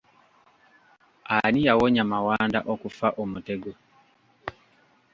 Ani yawonya Mawanda okufa omutego?